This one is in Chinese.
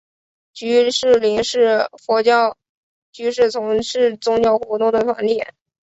居士林是佛教居士从事宗教活动的团体。